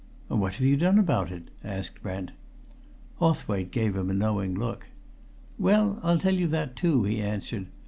"What have you done about it?" asked Brent. Hawthwaite gave him a knowing look. "Well, I'll tell you that too," he answered.